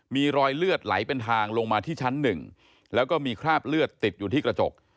มีรอยเลือดไหลเป็นทางลงมาที่ชั้นหนึ่งแล้วก็มีคราบเลือดติดอยู่ที่กระจก